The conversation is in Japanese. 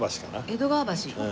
江戸川橋。